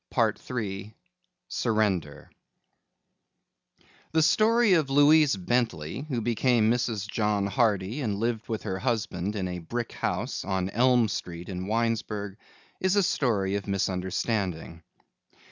SURRENDER PART THREE The story of Louise Bentley, who became Mrs. John Hardy and lived with her husband in a brick house on Elm Street in Winesburg, is a story of misunderstanding.